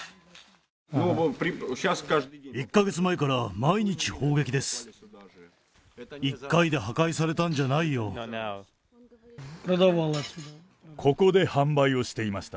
１か月前から毎日砲撃です。